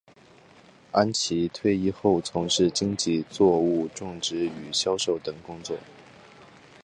安琦退役后从事经济作物种植与销售等工作。